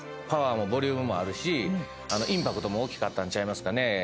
パワーもボリュームもあるしインパクトも大きかったんちゃいますかね。